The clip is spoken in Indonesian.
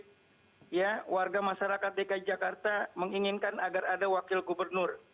tapi ya warga masyarakat dki jakarta menginginkan agar ada wakil gubernur